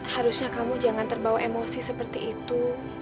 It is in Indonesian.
harusnya kamu jangan terbawa emosi seperti itu